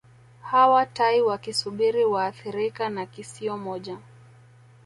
Hawa tai wakisubiri waathirika na kisio moja